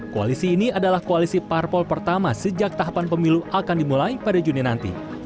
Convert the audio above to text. koalisi ini adalah koalisi parpol pertama sejak tahapan pemilu akan dimulai pada juni nanti